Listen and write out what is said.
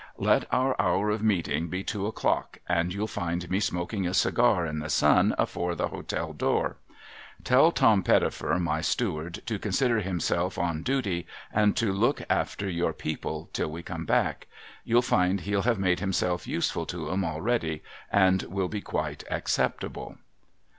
Let our hour of meeting be two o'clock, and you'll tind me smoking a cigar in the sun afore the hotel door. Tell Tom Pettifer, my steward, to consider himself on duty, and to look after your people till we come back ; you'll find he'll have made himself useful to 'em already, and will be quite acceptable.'